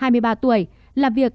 hai mươi ba tuổi làm việc